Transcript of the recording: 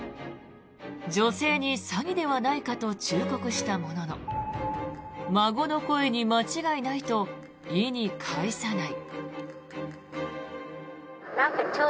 女性に詐欺ではないかと忠告したものの孫の声に間違いないと意に介さない。